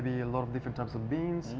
misalnya siwis mungkin banyak jenis kacang